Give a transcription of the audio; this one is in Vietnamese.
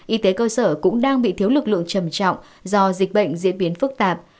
y tế cơ sở cũng đang bị thiếu lực lượng trầm trọng do dịch bệnh diễn biến phức tạp